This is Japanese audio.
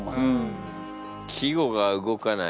「季語が動かない」。